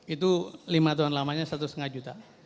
itu lima tahun lamanya satu lima juta